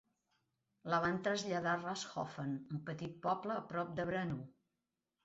La van traslladar a Ranshofen, un petit poble a prop de Braunau.